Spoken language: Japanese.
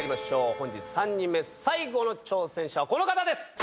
本日３人目最後の挑戦者はこの方です。